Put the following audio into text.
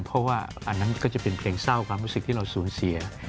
เพราะว่าอันนั้นก็จะเป็นเพลงเศร้าความรู้สึกที่เราสูญเสีย